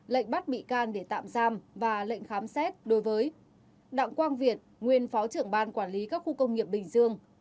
lệnh bắt bị can để tạm giam và lệnh khám xét đối với đặng quang việt nguyên phó trưởng ban quản lý các khu công nghiệp bình dương